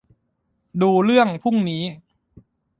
ดูเรื่องพรุ่งนี้